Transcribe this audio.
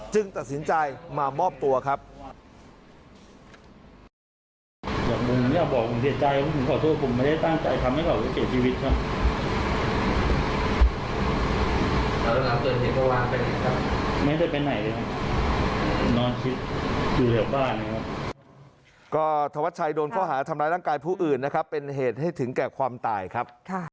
ตัดสินใจมามอบตัวครับ